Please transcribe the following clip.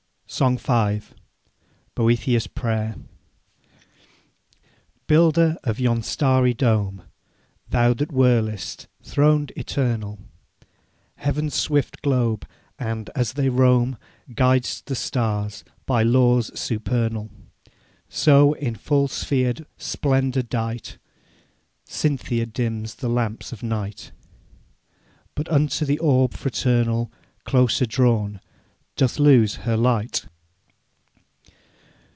SONG V. BOETHIUS' PRAYER. 'Builder of yon starry dome, Thou that whirlest, throned eternal, Heaven's swift globe, and, as they roam, Guid'st the stars by laws supernal: So in full sphered splendour dight Cynthia dims the lamps of night, But unto the orb fraternal Closer drawn,[D] doth lose her light.